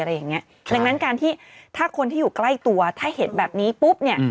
ดังนั้นถ้าคนที่อยู่ใกล้ตัวถ้าเห็นแบบนี้ปุ๊บ